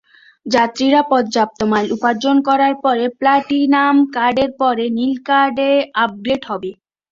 যাত্রীরা পর্যাপ্ত মাইল উপার্জন করার পরে, প্ল্যাটিনাম কার্ডের পরে নীল কার্ডে আপগ্রেড হবে।